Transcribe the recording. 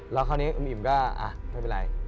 แล้วคราวนี้อิ่มก็ไม่เป็นไร